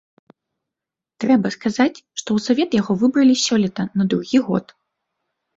Трэба сказаць, што ў савет яго выбралі сёлета на другі год.